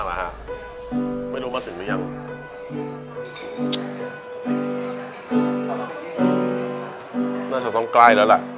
บ๊ายบายค่ะ